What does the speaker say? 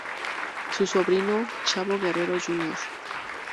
Su sobrino, Chavo Guerrero, Jr.